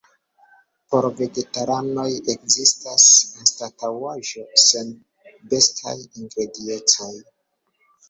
Por vegetaranoj ekzistas anstataŭaĵo sen bestaj ingrediencoj.